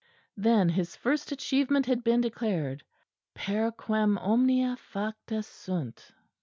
_ Then His first achievement had been declared; "_Per quem omnia facta sunt.